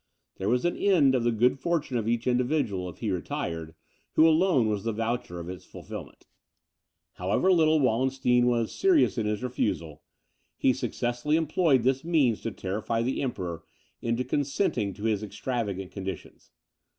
There was an end of the good fortune of each individual, if he retired, who alone was the voucher of its fulfilment. However little Wallenstein was serious in his refusal, he successfully employed this means to terrify the Emperor into consenting to his extravagant conditions.